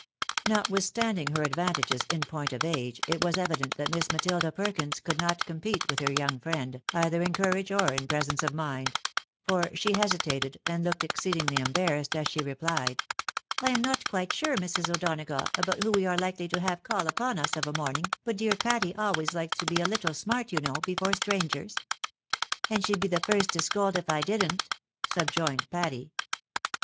Notwithstanding her advantages in point of age, it was evident that Miss Matilda Perkins could not compete with her young friend, either in courage or in presence of mind ; for she hesitated, and looked exceedingly embarrassed as she replied, " I am not quite sure, Mrs. O'Donagough, about who we are hkely to have call upon us of a morning, but dear Patty always likes to be a little smart, you know, before strangers." " And she'd be the first to scold, if I didn't," subjoined Patty.